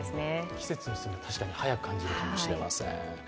季節が進むのが確かに早く感じるのかもしれません。